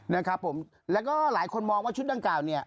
นะครับผมแล้วก็หลายคนมองว่าชุดดังกล่าวเนี่ย